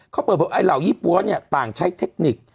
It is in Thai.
เค้าเปิดแบบไอ่เหล้ายี้ปั่วต่างใช้เทคนิค